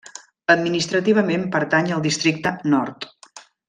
Administrativament pertany al districte nord.